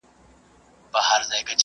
د علم لاره د نېکبختۍ لاره ده.